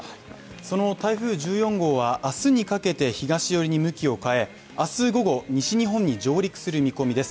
その台風１４号は明日にかけて東寄りに向きを変えて、明日午後、西日本に上陸する見込みです。